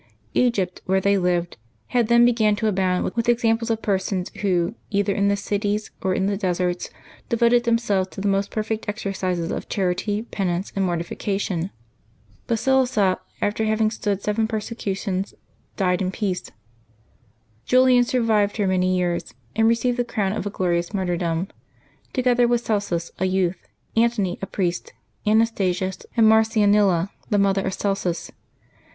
Egypt, where they lived, had then begun to abound with examples of persons who, either in the cities or in the deserts, devoted themselves to the most perfect exercises of charity, penance, and mortifica January 10] LIVES OF THE SAINTS 31 tion. Basilissa, after having stood seven persecutions, died in peace; Julian survived her many years and re ceived the crown of a glorious martyrdom, together with Celsus, a youth, Antony, a priest, Anastasius, and Mar cianilla, the mother of Celsus.